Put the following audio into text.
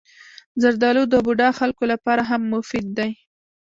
زردالو د بوډا خلکو لپاره هم مفید دی.